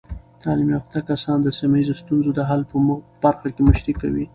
تعلیم یافته کسان د سیمه ایزې ستونزو د حل په برخه کې مشري کوي.